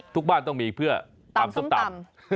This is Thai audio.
ทุกบ้านต้องมีเพื่อตำส้มตำ